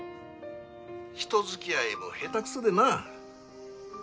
人付き合いも下手くそでなあ。